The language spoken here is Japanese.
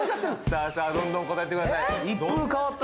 さあさあどんどん答えてください